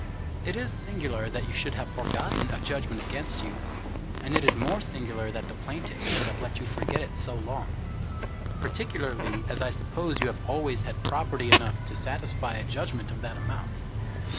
It is singular that you should have forgotten a judgment against you; and it is more singular that the plaintiff should have let you forget it so long, particularly as I suppose you have always had property enough to satisfy a judgment of that amount.